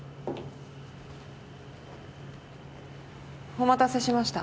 お待たせしました。